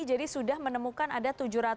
jadi sudah menemukan ada tujuh ratus delapan